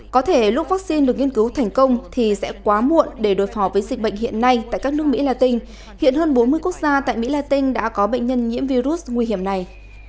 có thể lúc vaccine được nghiên cứu thành công thì sẽ quá muộn để đối phó với dịch bệnh hiện nay tại các nước mỹ la tinh hiện hơn bốn mươi quốc gia tại mỹ latin đã có bệnh nhân nhiễm virus nguy hiểm này